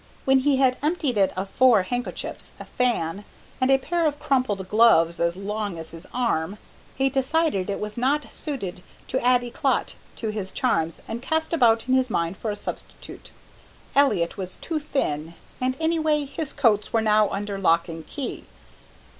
When he had emptied it of four handkerchiefs, a fan, and a pair of crumpled gloves as long as his arm, he decided it was not suited to add éclat to his charms and cast about in his mind for a substitute. Elliott was too thin, and, anyway, his coats were now under lock and key.